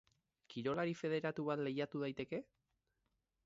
Kirolari federatu bat lehiatu daiteke?